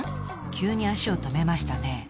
急に足を止めましたね。